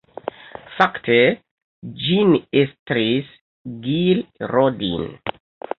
Fakte ĝin estris Gil Rodin.